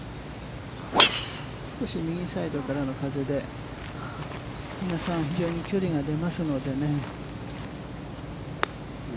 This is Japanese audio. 少し右サイドからの風で、比嘉さん、距離が出ますのでね。